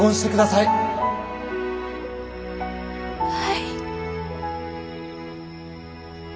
はい。